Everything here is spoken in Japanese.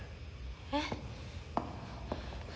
えっ？